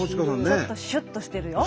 ちょっとシュッとしてるよ。